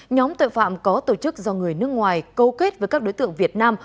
nhóm tội phạm có tổ chức do người nước ngoài câu kết với các đối tượng việt nam